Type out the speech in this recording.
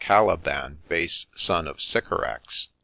' Caliban, base son of Sycorax.'